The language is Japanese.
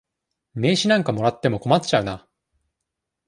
名刺なんかもらっても困っちゃうな。